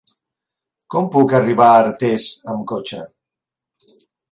Com puc arribar a Artés amb cotxe?